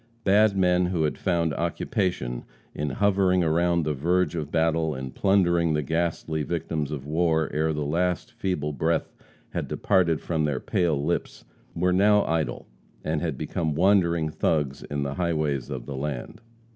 Bad men who had found occupation in hovering about the verge of battle and plundering the ghastly victims of war ere the last feeble breath had departed from their pale lips, were now idle and had become wandering thugs in the highways of the land.